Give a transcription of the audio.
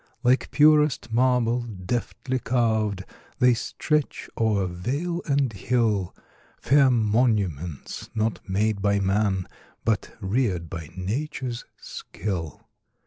Like purest marble, deftly carv'd, They stretch o'er vale and hill, Fair monuments, not made by man, But rear'd by nature's skill.